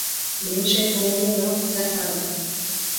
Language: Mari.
Ме эше колен онал, Захарова!